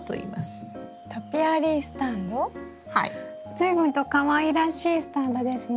随分とかわいらしいスタンドですね。